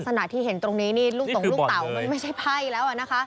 ขณะที่เห็นตรงนี้นี่ลูกตงลูกเต่ามันไม่ใช่ไพ่แล้วนะคะ